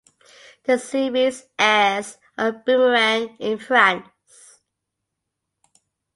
The series airs on Boomerang in France.